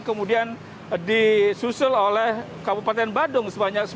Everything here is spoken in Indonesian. kemudian disusul oleh kabupaten badung sebanyak sembilan puluh